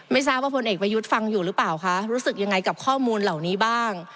ทราบว่าพลเอกประยุทธ์ฟังอยู่หรือเปล่าคะรู้สึกยังไงกับข้อมูลเหล่านี้บ้าง